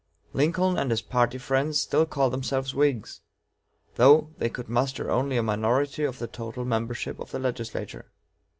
Lincoln and his party friends still called themselves Whigs, though they could muster only a minority of the total membership of the legislature.